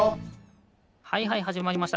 はいはいはじまりました。